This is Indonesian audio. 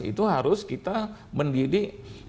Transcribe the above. itu harus kita mendidik